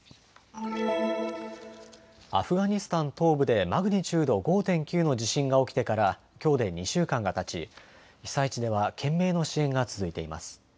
アフガニスタン東部でマグニチュード５．９の地震が起きてからきょうで２週間がたち被災地では懸命の支援が続いています。